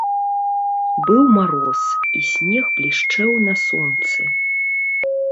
Быў мароз, і снег блішчэў на сонцы.